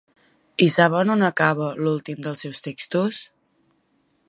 I saben on acaba l'últim dels seus textos?